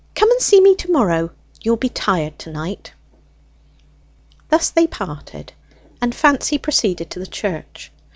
Come and see me to morrow: you'll be tired to night." Thus they parted, and Fancy proceeded to the church.